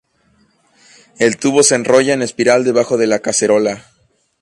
El tubo se enrolla en espiral debajo de la cacerola.